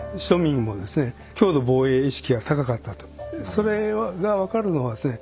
それが分かるのはですね